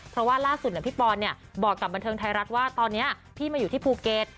เพราะว่าล่าสุดพี่ปอนบอกกับบันเทิงไทยรัฐว่าตอนนี้พี่มาอยู่ที่ภูเก็ต